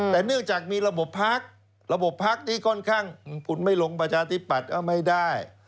แต่เนื่องจากมีระบบพักระบบพักที่ค่อนข้างคุณไม่ลงประชาธิปัตย์ก็ไม่ได้